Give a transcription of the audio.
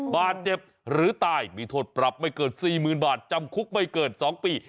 บาดเจ็บหรือตายมีโทษปรับไม่เกิน๔๐๐๐บาทจำคุกไม่เกิน๒ปี